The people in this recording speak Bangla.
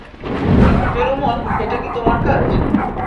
পেরুমল, এটা কী তোমার কাজ?